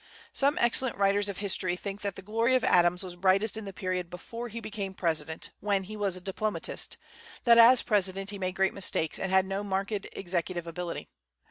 Some excellent writers of history think that the glory of Adams was brightest in the period before he became president, when he was a diplomatist, that as president he made great mistakes, and had no marked executive ability.